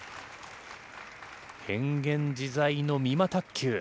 変幻自在の美誠卓球。